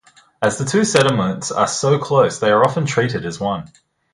As the two settlements are so close they are often treated as one.